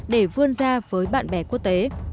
để vươn ra với bạn bè quốc tế